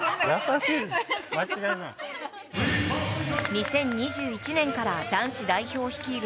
２０２１年から男子代表を率いる